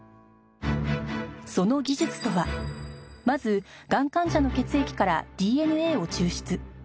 その技術とはまずがん患者の血液から ＤＮＡ を抽出